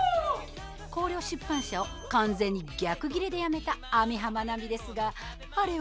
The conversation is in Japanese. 光陵出版社を完全に逆ギレで辞めた網浜奈美ですがあれよ